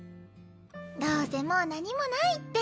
どうせもう何もないって。